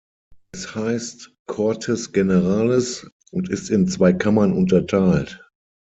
Es heißt "Cortes Generales" und ist in zwei Kammern unterteilt.